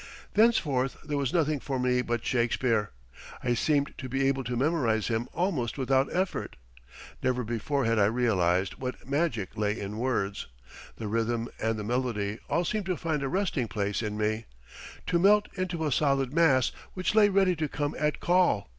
Thenceforth there was nothing for me but Shakespeare. I seemed to be able to memorize him almost without effort. Never before had I realized what magic lay in words. The rhythm and the melody all seemed to find a resting place in me, to melt into a solid mass which lay ready to come at call.